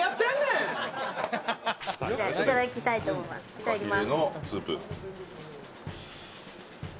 いただきます。